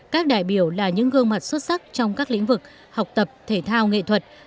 các đại biểu là những gương mặt xuất sắc trong các lĩnh vực học tập thể thao nghệ thuật